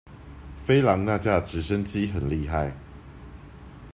飛狼那架直升機很厲害